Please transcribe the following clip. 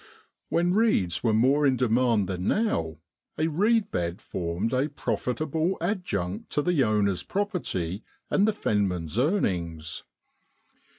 When reeds were more in demand than now, a reed bed formed a profit able adjunct to the owner's property and the fenman's earnings.